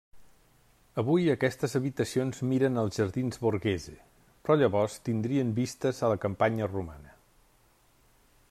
Avui aquestes habitacions miren als jardins Borghese però llavors tindrien vistes a la campanya romana.